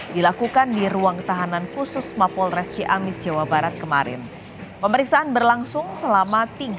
dilakukan di ruang tahanan khusus mapolres ciamis jawa barat kemarin pemeriksaan berlangsung selama